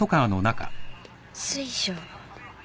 水晶？